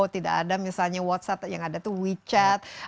tidak ada misalnya whatsapp yang ada itu wechat